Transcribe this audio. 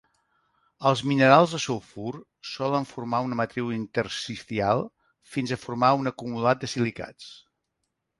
Els minerals de sulfur solen formar una matriu intersticial fins a formar un acumulat de silicats.